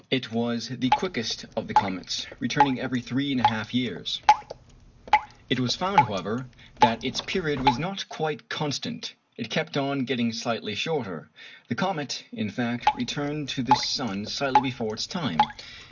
It was the quickest of the comets, returning every 3 1/2 years. [Illustration: FIG. 103. Encke's comet.] It was found, however, that its period was not quite constant; it kept on getting slightly shorter. The comet, in fact, returned to the sun slightly before its time.